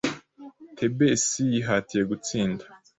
Thebes yihatiye gutsinda